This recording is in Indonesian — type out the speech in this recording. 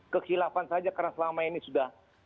kekhilafan saja karena selama ini sudah